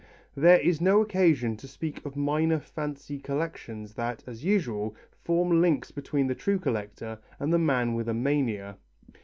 There is no occasion to speak of minor fancy collections that, as usual, form links between the true collector and the man with a mania.